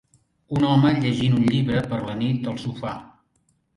Un home llegint un llibre per la nit al sofà.